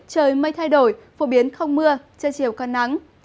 trời mây thay đổi phổ biến không mưa trưa chiều còn nắng